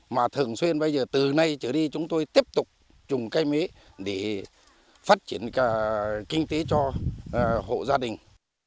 mà thường xuyên bây giờ từ nay trở đi chúng tôi tiếp tục trùng cây mía để phát triển kinh tế cho hộ gia đình